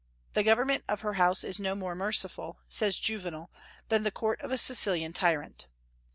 "The government of her house is no more merciful," says Juvenal, "than the court of a Sicilian tyrant."